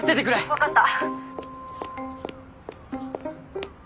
分かった。